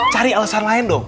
cari alasan lain dong